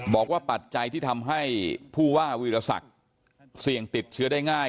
ปัจจัยที่ทำให้ผู้ว่าวีรศักดิ์เสี่ยงติดเชื้อได้ง่าย